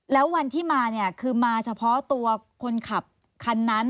แล้ววันที่มาเนี่ยคือมาเฉพาะตัวคนขับคันนั้น